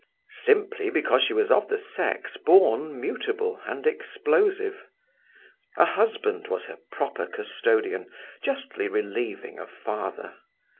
Simply because she was of the sex born mutable and explosive. A husband was her proper custodian, justly relieving a father.